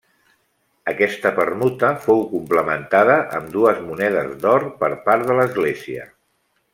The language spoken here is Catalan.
Aquesta permuta fou complementada amb dues monedes d'or per part de l'Església.